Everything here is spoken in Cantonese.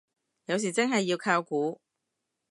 有時真係要靠估